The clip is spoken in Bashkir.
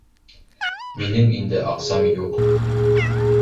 Минең инде аҡсам юҡ